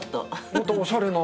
またおしゃれな。